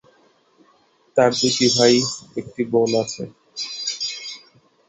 তার দুটি ভাই ও একটি বোন আছে।